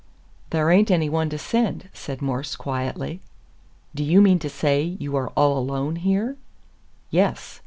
"Thar ain't anyone to send," said Morse, quietly. "Do you mean to say you are all alone here?" "Yes.